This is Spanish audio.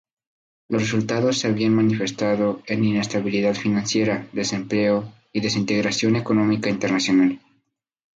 Los resultados se habían manifestado en inestabilidad financiera, desempleo y desintegración económica internacional.